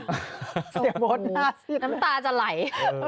เสียโบ๊ท๕๐น้ำตาจะไหล